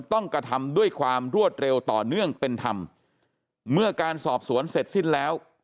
กระทำด้วยความรวดเร็วต่อเนื่องเป็นธรรมเมื่อการสอบสวนเสร็จสิ้นแล้ว